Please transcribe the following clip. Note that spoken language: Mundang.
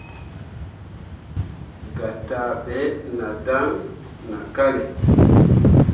Gataaɓe nah dan nah kalle.